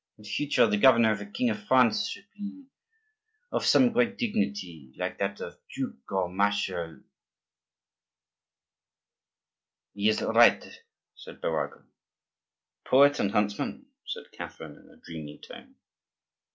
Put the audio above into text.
In future, the governor of a king of France should be of some great dignity, like that of duke and marshal." "He is right," said Birago. "Poet and huntsman," said Catherine in a dreamy tone.